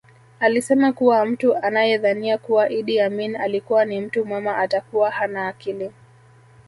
Alisema kuwa mtu anayedhania kuwa Idi Amin alikuwa ni mtu mwema atakuwa hana akili